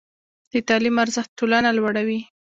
د تعلیم ارزښت ټولنه لوړوي.